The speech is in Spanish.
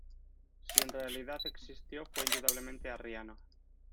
Si en realidad existió, fue indudablemente arriano.